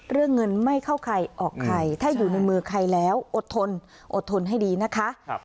เรื่องเงินไม่เข้าใครออกใครถ้าอยู่ในมือใครแล้วอดทนอดทนให้ดีนะคะ